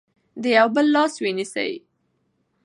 د یو بل لاس ونیسئ.